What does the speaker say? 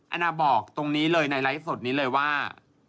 นานาบอกตรงนี้เลยในไลฟ์สดนี้เลยว่า